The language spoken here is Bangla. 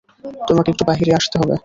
তোমাকে একটু বাহিরে আসতে হবে।